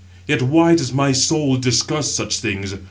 Yet why does my soul discuss such things?